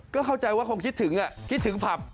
ก็เข้าใจว่าคงคิดถึงคิดถึงผับ